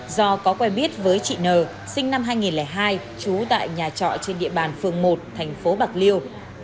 do có quen biết với chị n sinh năm hai nghìn hai trú tại nhà trọ trên địa bàn phường một thành phố bạc liêu